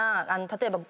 例えば。